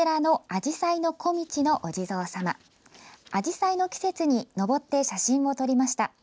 あじさいの季節にのぼって写真を撮りました。